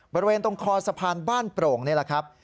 บริเวณตรงคอสะพานบ้านโปร่งนี่แหละครับ